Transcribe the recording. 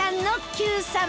『Ｑさま！！』。